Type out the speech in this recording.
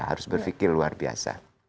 harus berpikir luar biasa